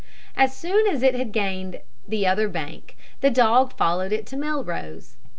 As soon as it had gained the other bank the dog followed it to Melrose.